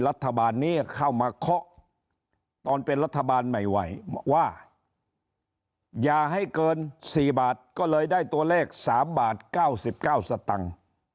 รัฐบาลนี้เข้ามาเคาะตอนเป็นรัฐบาลใหม่ว่าอย่าให้เกิน๔บาทก็เลยได้ตัวเลข๓บาท๙๙สตังค์